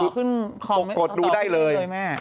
ตกตกดูได้เลย